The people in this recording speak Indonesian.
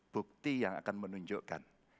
bukti yang akan menunjukkan